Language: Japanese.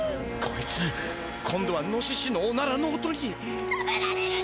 こいつ今度はノシシのおならの音に。